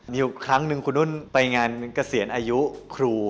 มีอยู่ครั้งหนึ่งคุณนุ่นไปงานเกษียณอายุครู